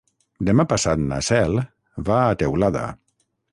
Demà passat na Cel va a Teulada.